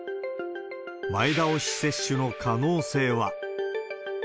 前倒し接種の可能性は。